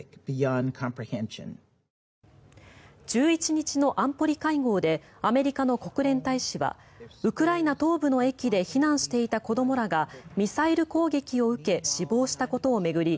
１１日の安保理会合でアメリカの国連大使はウクライナ東部の駅で避難していた子どもらがミサイル攻撃を受け死亡したことを巡り